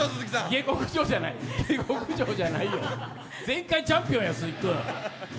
下剋上やない、前回チャンピオンや、鈴木君。